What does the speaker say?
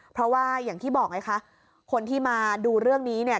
เพราะว่าอย่างที่บอกไงคะคนที่มาดูเรื่องนี้เนี่ย